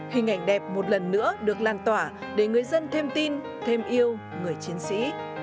hình ảnh đẹp một lần nữa được lan tỏa để người dân thêm tin thêm yêu người chiến sĩ